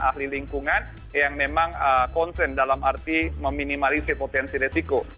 ahli lingkungan yang memang concern dalam arti meminimalisir potensi resiko